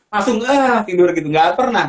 langsung ah tidur gitu gak pernah